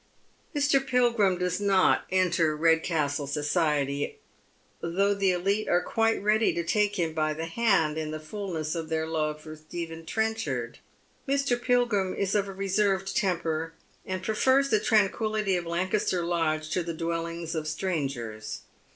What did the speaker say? Mr. Pilgrim does not enter Eedcastle society, though the elite are quite ready to take him by the hand in the fullness of their love for Stephen Trenchard. Mr. Pilgrim is of a reserved temper, and prefers the tranquillity of Lancaster Lodge to the dwellings of strangers.